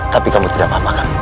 tapi kamu tidak memahamakan